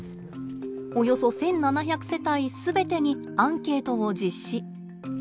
およそ１，７００世帯全てにアンケートを実施。